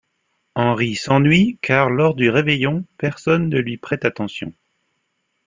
Henri s'ennuie car lors du réveillon, personne ne lui prête attention.